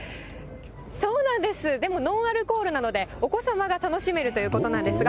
そうなんです、でもノンアルコールなので、お子様が楽しめるということなんですが。